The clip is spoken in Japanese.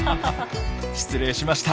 失礼しました。